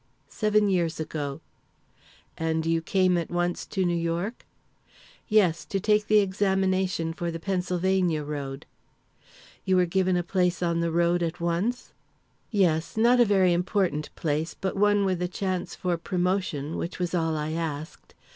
"Seven years ago." "And you came at once to New York?" "Yes, to take the examination for the Pennsylvania road." "You were given a place on the road at once?" "Yes not a very important place, but one with a chance for promotion, which was all I asked.